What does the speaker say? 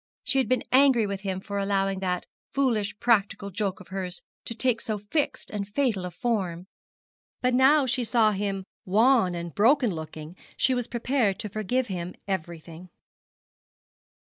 She had been angry with him for allowing that foolish practical joke of hers to take so fixed and fatal a form; but now she saw him wan and broken looking she was prepared to forgive him everything.